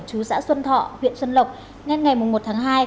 chú xã xuân thọ huyện xuân lộc nên ngày một tháng hai